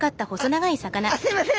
あっすいません！